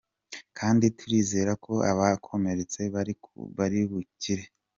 kandi turizera ko abakomeretse bari bukire.